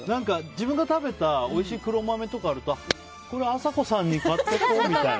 自分が食べたおいしい黒豆とかあるとこれ、あさこさんに買っていこうみたいな。